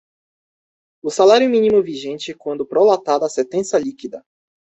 o salário-mínimo vigente quando prolatada sentença líquida